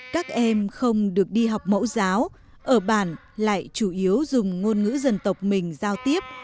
các em không được đi học mẫu giáo ở bản lại chủ yếu dùng ngôn ngữ dân tộc mình giao tiếp